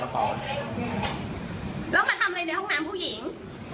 แล้วมาทำอะไรในโรงพยาบาลผู้หญิง